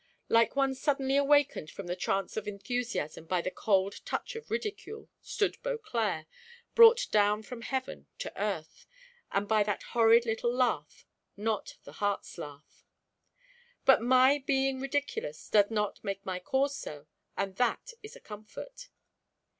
Like one suddenly awakened from the trance of enthusiasm by the cold touch of ridicule, stood Beauclerc, brought down from heaven to earth, and by that horrid little laugh, not the heart's laugh. "But my being ridiculous does not make my cause so, and that is a comfort."